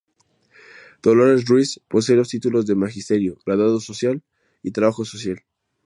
Dolores Ruiz posee los títulos de Magisterio, Graduado Social y Trabajo Social.